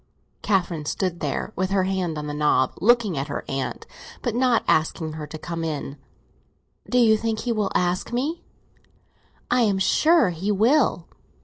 Catherine stood there, with her hand on the knob looking at her aunt, but not asking her to come in. "Do you think he will ask me?" "I am sure he will.